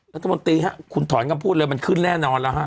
มันถือบนตีครับคุณถอนกับพูดเลยมันขึ้นแน่นอนแล้วครับ